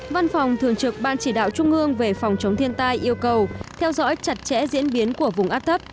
văn phòng thường trực ban chỉ đạo trung ương về phòng chống thiên tai yêu cầu theo dõi chặt chẽ diễn biến của vùng áp thấp